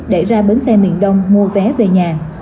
để ra bến xe miền đông mua vé về nhà